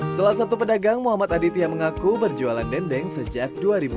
salah satu pedagang muhammad aditya mengaku berjualan dendeng sejak dua ribu dua belas